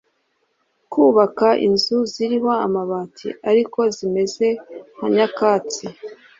bakubaka inzu ziriho amabati ariko zimeze nka nyakatsi